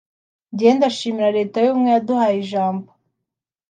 jye ndashimira Leta y’ubumwe yaduhaye ijambo”